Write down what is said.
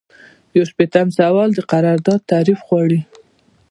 یو شپیتم سوال د قرارداد تعریف غواړي.